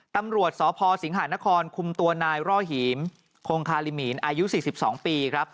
ตำรวจสพสิงหานครคุมตัวนายร่อหีมคงคาลิมีนอายุ๔๒ปีครับ